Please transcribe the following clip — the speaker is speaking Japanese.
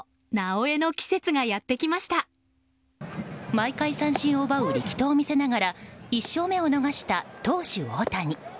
毎回、三振を奪う力投を見せながら１勝目を逃した投手・大谷。